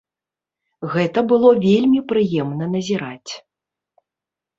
Гэта было вельмі прыемна назіраць.